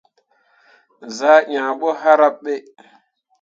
Zah ŋiah ɓo hǝraɓ ɓe.